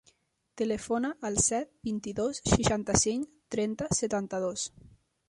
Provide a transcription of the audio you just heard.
Telefona al set, vint-i-dos, seixanta-cinc, trenta, setanta-dos.